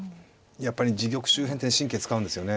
やっぱり自玉周辺ってね神経使うんですよね。